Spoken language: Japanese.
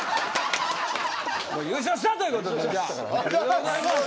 優勝したということでじゃあ。